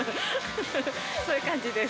そういう感じです。